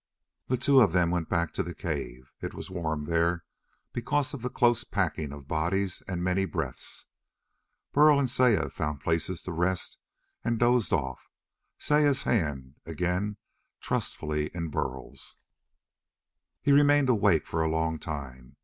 The two of them went back to the cave. It was warm there, because of the close packing of bodies and many breaths. Burl and Saya found places to rest and dozed off, Saya's hand again trustfully in Burl's. He still remained awake for a long time.